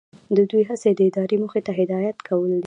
د دوی هڅې د ادارې موخې ته هدایت کول دي.